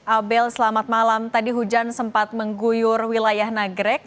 abel selamat malam tadi hujan sempat mengguyur wilayah nagrek